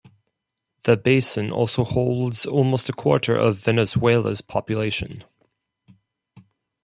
The basin also holds almost a quarter of Venezuela's population.